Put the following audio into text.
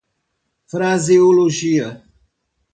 fraseologia